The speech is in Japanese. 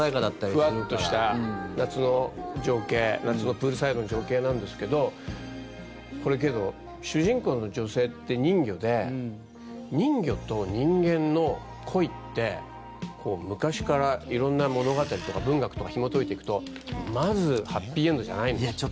フワッとした夏の情景夏のプールサイドの情景なんですけどこれ、主人公の女性って人魚で人魚と人間の恋って昔から色んな物語とか文学とかひも解いていくとまずハッピーエンドじゃないんです。